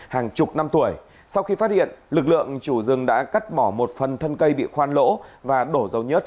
hàng chục năm tuổi sau khi phát hiện lực lượng chủ rừng đã cắt bỏ một phần thân cây bị khoan lỗ và đổ dấu nhớt